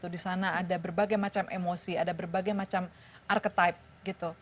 disana ada berbagai macam emosi ada berbagai macam archetype